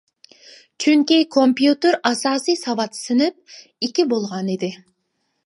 چۈنكى كومپيۇتېر ئاساسىي ساۋات سىنىپ ئىككى بولغان ئىدى.